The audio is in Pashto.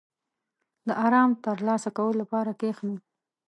• د آرام ترلاسه کولو لپاره کښېنه.